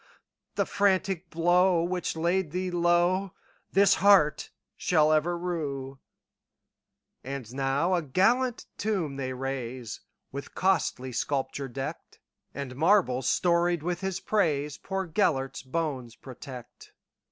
The frantic blow which laid thee lowThis heart shall ever rue."And now a gallant tomb they raise, With costly sculpture decked; And marbles storied with his praisePoor Gêlert's bones protect.